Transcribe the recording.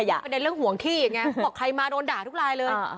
ติดตามเป็นเรื่องห่วงที่อย่างนี้เขาบอกใครมาโดนด่าทุกลายเลย